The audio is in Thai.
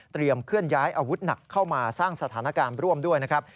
เคลื่อนย้ายอาวุธหนักเข้ามาสร้างสถานการณ์ร่วมด้วยนะครับ